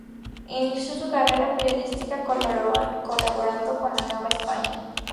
Inició su carrera periodística colaborando con la "La Nueva España".